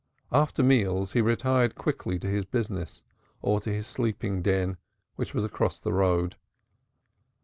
After meals he retired quickly to his business or his sleeping den, which was across the road.